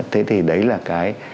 thế thì đấy là cái